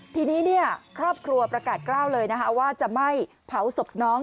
ทีนี้ครอบครัวประกาศกล้าวเลยว่าจะไม่เผาศพน้อง